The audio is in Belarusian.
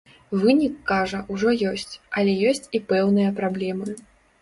Вынік, кажа, ужо ёсць, але ёсць і пэўныя праблемы.